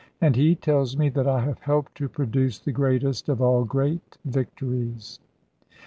And he tells me that I have helped to produce the greatest of all great victories.